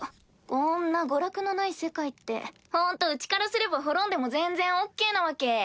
こんな娯楽のない世界ってホントうちからすれば滅んでも全然オッケーなわけ。